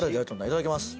いただきます。